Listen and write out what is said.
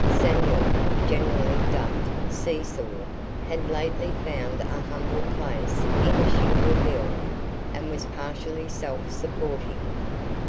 Samuel, generally dubbed "see saw," had lately found a humble place in a shingle mill and was partially self supporting.